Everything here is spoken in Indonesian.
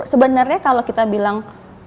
sebenarnya kalau kita bilang